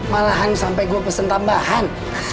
malahan sampai gue pesen tambahan